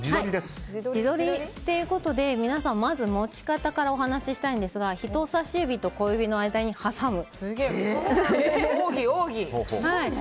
自撮りということで皆さん、まず持ち方からお話ししたいんですが人差し指と小指の間に挟む。